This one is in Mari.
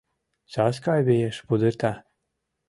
Саскай виеш пудырта...